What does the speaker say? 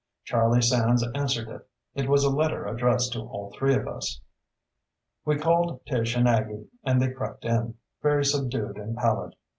Charlie Sands answered it. It was a letter addressed to all three of us. We called Tish and Aggie and they crept in, very subdued and pallid.